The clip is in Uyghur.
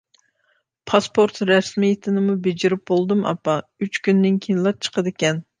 پاسپورت رەسمىيىتىنىمۇ بېجىرىپ بولدۇم ئاپا، ئۈچ كۈندىن كېيىنلا چىقىدىكەن.